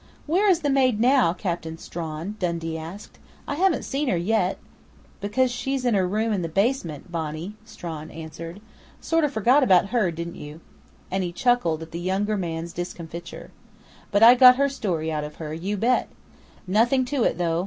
"Where is the maid now, Captain Strawn?" Dundee asked. "I haven't seen her yet " "Because she's in her room in the basement, Bonnie," Strawn answered. "Sort of forgot about her, didn't you?" and he chuckled at the younger man's discomfiture. "But I got her story out of her, you bet! Nothing to it, though.